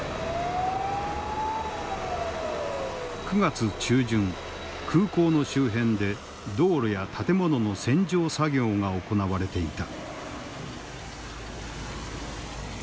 ９月中旬空港の周辺で道路や建物の洗浄作業が行われていた。